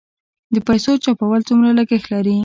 د پیسو چاپول څومره لګښت لري؟